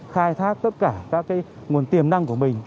khai thác tất cả các nguồn tiềm năng của mình